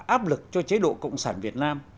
áp lực cho chế độ cộng sản việt nam